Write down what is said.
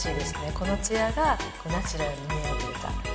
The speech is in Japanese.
このツヤがナチュラルに見える。